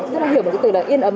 tức là hiểu một cái từ là yên ấm